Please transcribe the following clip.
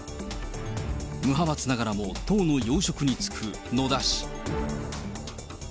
無派閥ながらも、党の要職に就く野田氏。